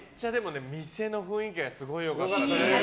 店の雰囲気がすごく良かった。